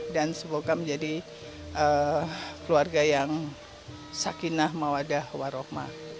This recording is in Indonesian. dan juga menjadi keluarga yang sakinah mawadah warohmah